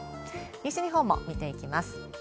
西日本も見ていきます。